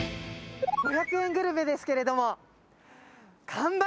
５００円グルメですけれども。